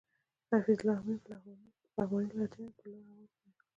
د حفیظ الله آمین په پغمانۍ لهجه مې په لوړ اواز وویل.